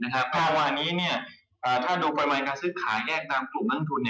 ครับทุกวันนี้นี่ถ้าดูบริมาทการซื้อขายแง่ตามตรงกลุ่มอังตรุน